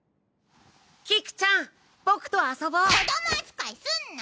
菊ちゃん僕と遊ぼ子供扱いすんな！